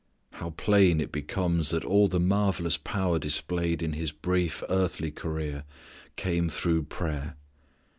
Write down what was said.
How plain it becomes that all the marvellous power displayed in His brief earthly career came through prayer.